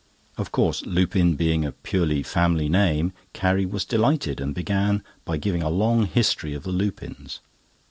Of course, Lupin being a purely family name, Carrie was delighted, and began by giving a long history of the Lupins.